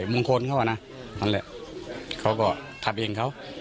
มงคลเขาอ่ะนะนั่นแหละเขาก็ทำเองเขา